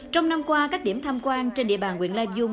trong năm qua các điểm tham quan trên địa bàn quyền lai vương